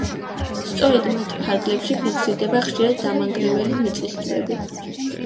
სწორედ მათ ფარგლებში ფიქსირდება ხშირად დამანგრეველი მიწისძვრები.